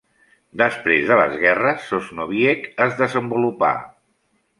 Després de les guerres, Sosnowiec es desenvolupà.